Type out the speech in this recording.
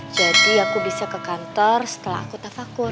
jadi aku bisa ke kantor setelah aku tafakur